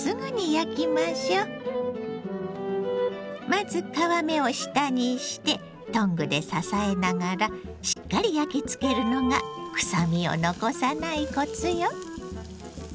まず皮目を下にしてトングで支えながらしっかり焼きつけるのがくさみを残さないコツよ。